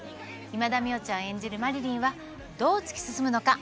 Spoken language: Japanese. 今田美桜ちゃん演じる麻理鈴はどう突き進むのか。